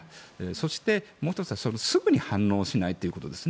そして、もう１つは、すぐに反応しないということです。